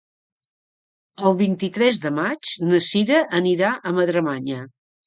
El vint-i-tres de maig na Sira anirà a Madremanya.